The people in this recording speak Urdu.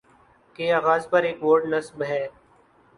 کے آغاز پر ایک بورڈ نصب ہے